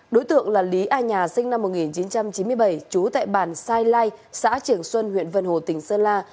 đối tượng là lý a nhà sinh năm một nghìn chín trăm chín mươi bảy trú tại bản sai lai xã trường xuân huyện vân hồ tỉnh sơn la